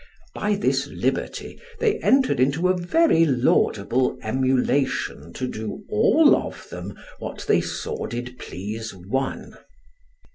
By this liberty they entered into a very laudable emulation to do all of them what they saw did please one.